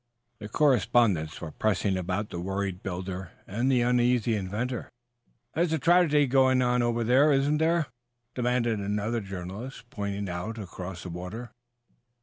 The correspondents were pressing about the worried builder and the uneasy inventor. "There's a tragedy going on over there, isn't there?" demanded another journalist, pointing out across the water.